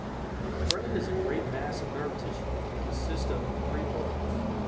The brain is a great mass of nerve tissue, and consists of three parts, viz.